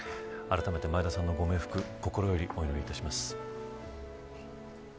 あらためて前田さんのご冥福心よりお祈りいたします。